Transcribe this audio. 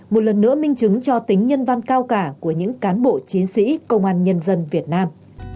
một lần nữa minh chứng cho tính nhân văn cao cả của những cán bộ chiến sĩ công an nhân dân việt nam